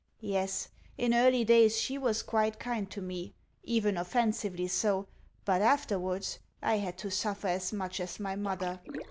Yes, in early days she was quite kind to me even offensively so, but afterwards, I had to suffer as much as my mother.